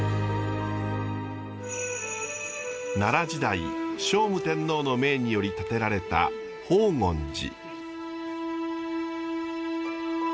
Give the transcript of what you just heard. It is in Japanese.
奈良時代聖武天皇の命により建てられた宝厳寺。